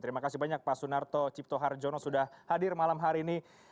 terima kasih banyak pak sunarto cipto harjono sudah hadir malam hari ini